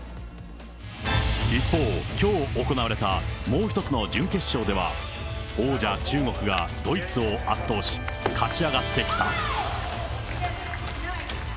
一方、きょう行われたもうひとつのじゅんけっしょうでは王者、中国がドイツを圧倒し、勝ち上がってきた。